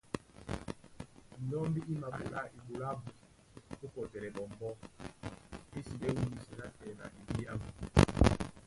Ndɔ́mbí í maɓolá eɓoló ábū ó kɔtɛlɛ ɓɔmbɔ́, ésiɓɛ́ wûmsɛ nátɛna ebyámu.